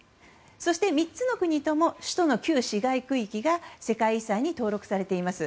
そして３つの国とも首都の旧市街区域が世界遺産に登録されています。